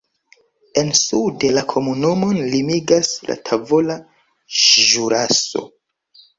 En sude la komunumon limigas la Tavola Ĵuraso.